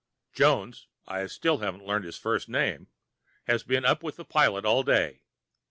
Jones (I still haven't learned his first name) has been up with the pilot all day.